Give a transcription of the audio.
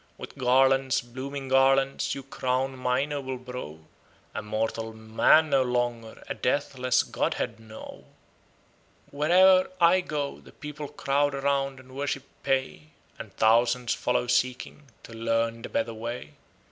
With garlands, blooming garlands you crown my noble brow, A mortal man no longer, a deathless godhead now. Where e'er I go, the people crowd round and worship pay, And thousands follow seeking to learn the better way.